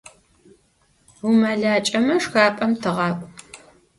УмэлакӀэмэ, шхапӀэм тыгъакӀу.